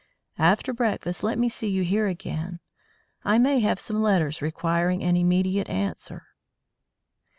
After breakfast let me see you here again. I may have some letters requiring an immediate answer."